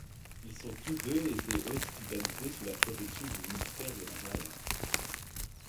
Ils ont tous deux été hospitalisés sous la protection du ministère de l’Intérieur.